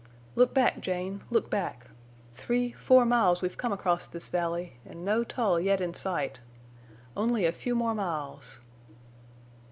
"Look back, Jane, look back. Three—four miles we've come across this valley, en' no Tull yet in sight. Only a few more miles!"